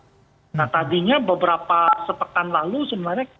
nah tadinya beberapa sepekan lalu sebenarnya